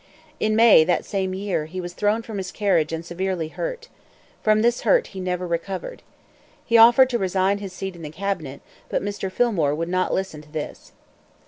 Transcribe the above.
In May, that same year, he was thrown from his carriage and severely hurt. From this hurt he never recovered. He offered to resign his seat in the cabinet, but Mr. Fillmore would not listen to this.